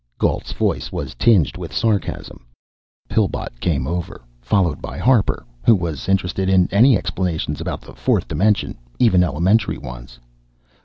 Gault's voice was tinged with sarcasm. Pillbot came over, followed by Harper, who was interested in any explanations about the fourth dimension even elementary ones....